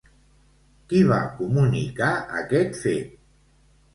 Qui va comunicar aquest fet?